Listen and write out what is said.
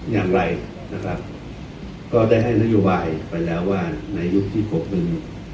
อย่างไรนะครับก็ได้ให้นโยบายไปแล้วว่าในยุคที่หกหนึ่ง